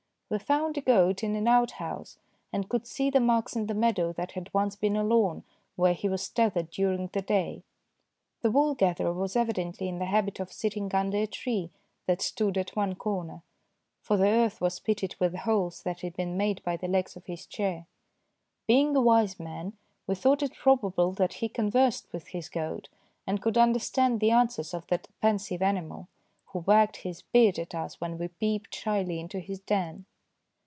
We found a goat in an outhouse and could see the marks in the meadow that had once been a lawn, where he was tethered during the day. The wool gatherer was evidently in the habit of sitting under a tree that stood at one corner, for the earth was pitted with the holes that had been made by the legs of his chair. Being a wise man, we thought it probable that he conversed with his goat and could understand the answers of that pensive animal, who wagged his beard at us when we peeped shyly into his den.